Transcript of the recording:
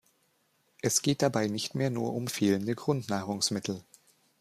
Es geht dabei nicht mehr nur um fehlende Grundnahrungsmittel.